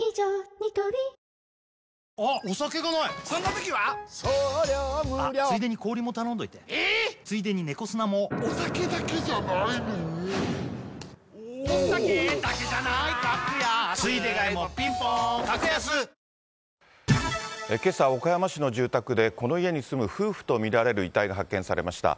ニトリけさ、岡山市の住宅で、この家に住む夫婦と見られる遺体が発見されました。